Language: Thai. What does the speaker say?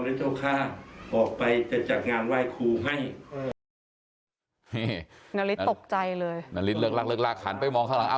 แล้วเจ้าข้างออกไปจะจัดงานไหว้ครูให้นาริสตกใจเลยนาริสเลิกลากเลิกลากหันไปมองข้างหลังเอา